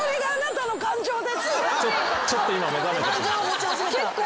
ちょっと今目覚めたかも。